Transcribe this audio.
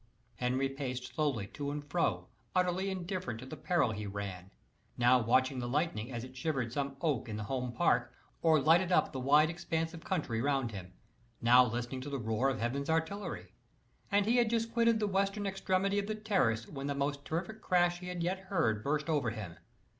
Henry paced slowly to and fro, utterly indifferent to the peril he ran now watching the lightning as it shivered some oak in the home park, or lighted up the wide expanse of country around him now listening to the roar of heaven's artillery; and he had just quitted the western extremity of the terrace, when the most terrific crash he had yet heard burst over him.